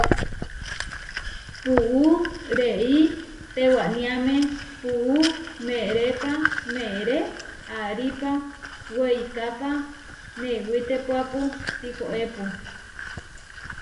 Puú rei tewániame puú merépa meeré aripá, weikápa newitépuapu tihoépu.